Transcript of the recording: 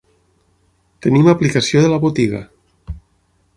Tenim aplicació de la botiga.